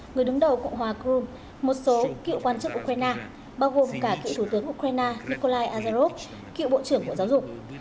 người đứng đầu cộng hòa krum một số cựu quan chức ukraine bao gồm cả cựu thủ tướng ukraine nikolai azarov cựu bộ trưởng của giáo dục